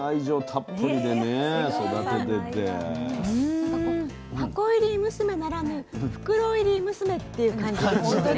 なんかこう箱入り娘ならぬ袋入り娘っていう感じですよね。